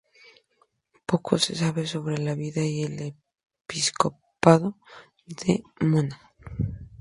Poco se sabe sobre la vida y el episcopado de Mona.